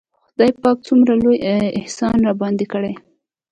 خداى پاک څومره لوى احسان راباندې کړى.